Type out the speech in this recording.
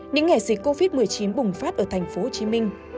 những ngày dịch covid một mươi chín bùng phát ở thành phố hồ chí minh